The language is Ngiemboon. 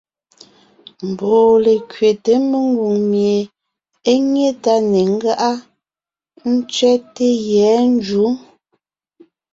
Mbɔɔ lékẅéte mengwòŋ mie é nyé tá ne ńgáʼa, ńtsẅɛ́te yɛ̌ njǔ.